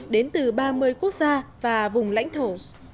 đến từ ba mươi quốc gia và vùng lãnh thổ